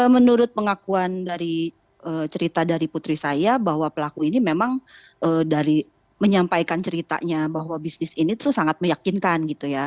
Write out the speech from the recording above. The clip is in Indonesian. menurut pengakuan cerita dari putri saya bahwa pelaku ini memang menyampaikan ceritanya bahwa bisnis ini sangat meyakinkan